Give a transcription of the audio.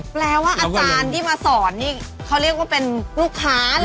แปลว่าอาจารย์ที่มาสอนนี่เขาเรียกว่าเป็นลูกค้า